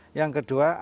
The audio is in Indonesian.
sehingga sulit di situ